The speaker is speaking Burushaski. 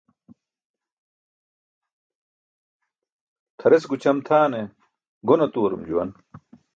Tʰares gućʰam tʰaane gon atuwarum juwan.